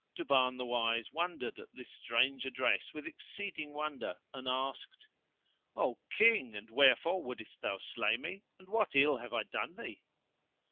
Duban the Wise wondered at this strange address with exceeding wonder and asked, "O King, and wherefore wouldest thou slay me, and what ill have I done thee?"